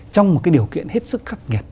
trong một cái điều kiện hết sức khắc nghiệt